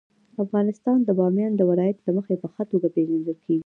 افغانستان د بامیان د ولایت له مخې په ښه توګه پېژندل کېږي.